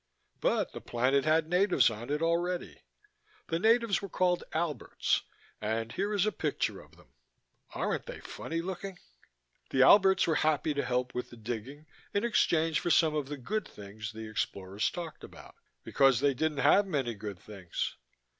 But the planet had natives on it already. The natives were called Alberts, and here is a picture of them. Aren't they funny looking? The Alberts were happy to help with the digging in exchange for some of the good things the explorers talked about, because they didn't have many good things.